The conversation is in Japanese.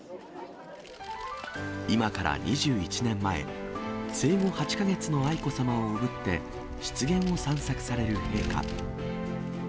今から２１年前、生後８か月の愛子さまをおぶって、湿原を散策される陛下。